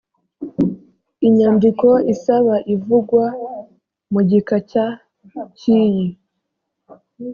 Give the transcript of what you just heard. inyandiko isaba ivugwa mu gika cya…cy’iyi